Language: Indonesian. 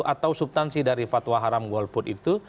atau subtansi dari fatwa haram golput itu